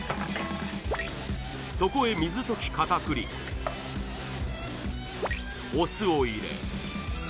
そこへ水溶き片栗粉お酢を入れ